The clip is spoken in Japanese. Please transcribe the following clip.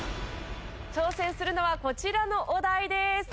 挑戦するのはこちらのお題です。